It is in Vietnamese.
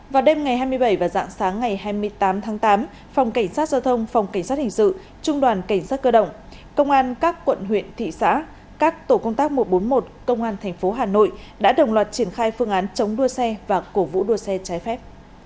vào đêm ngày hai mươi bảy và dạng sáng ngày hai mươi tám tháng tám phòng cảnh sát giao thông phòng cảnh sát hình sự trung đoàn cảnh sát cơ động công an các quận huyện thị xã các tổ công tác một trăm bốn mươi một công an tp hà nội đã đồng loạt triển khai phương án chống đua xe và cổ vũ đua xe trái phép